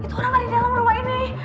itu orang ada di dalam rumah ini